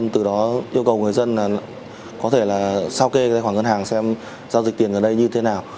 từ đó yêu cầu người dân là có thể là sao kê khoản ngân hàng xem giao dịch tiền ở đây như thế nào